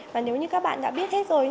và nếu như các bạn đã biết hết rồi